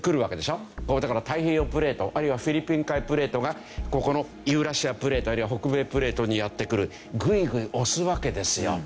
だから太平洋プレートあるいはフィリピン海プレートがここのユーラシアプレートあるいは北米プレートにやって来るグイグイ押すわけですよ。